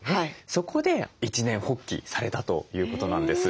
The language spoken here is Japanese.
そこで一念発起されたということなんです。